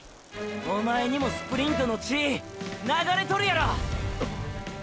おまえにもスプリントの血流れとるやろ！！ッ！！